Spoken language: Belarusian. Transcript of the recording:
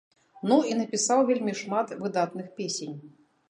Ну і напісаў вельмі шмат выдатных песень.